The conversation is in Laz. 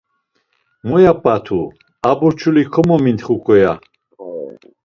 Muya p̌at̆u, a burç̌uli komomintxuǩo, ya.